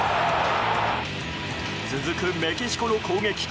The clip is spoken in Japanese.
続くメキシコの攻撃。